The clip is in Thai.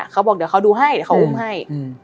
เขาบอกเดี๋ยวเขาดูให้เดี๋ยวเขาอุ้มให้